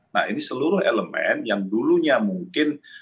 nah ini seluruh elemen yang dulunya mungkin